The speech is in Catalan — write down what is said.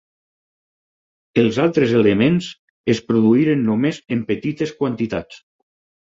Els altres elements es produïren només en petites quantitats.